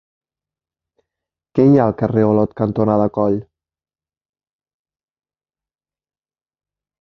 Què hi ha al carrer Olot cantonada Coll?